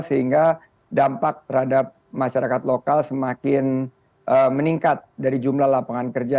sehingga dampak terhadap masyarakat lokal semakin meningkat dari jumlah lapangan kerja